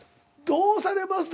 「どうされます？」